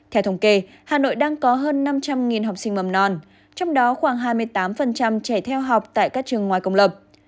theo thống kê hà nội đang có hơn năm trăm linh học sinh mầm non trong đó khoảng hai mươi tám trẻ theo học tại các trường ngoài công lập